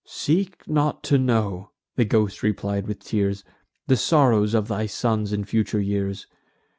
"Seek not to know," the ghost replied with tears, "The sorrows of thy sons in future years.